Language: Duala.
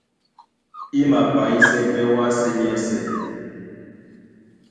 I mapanyísɛ́ pɛ́ wásē nyɛ́sɛ̄.